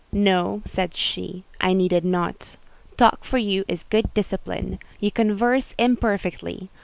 "No," said she, "I needed not. Talk for you is good discipline. You converse imperfectly.